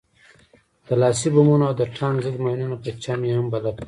د لاسي بمونو او د ټانک ضد ماينونو په چم يې هم بلد کړو.